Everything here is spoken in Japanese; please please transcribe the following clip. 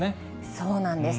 そうなんです。